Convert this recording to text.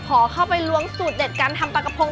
ขอเข้าไปล้วงสูตรเด็ดการทำปลากระพง